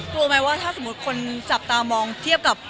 กลัวไหมว่าถ้าสมมุติคนจับตามองเทียบกับ